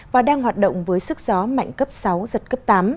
và đang hoạt động với sức gió mạnh cấp sáu giật cấp tám